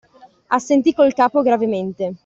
Assentí col capo gravemente.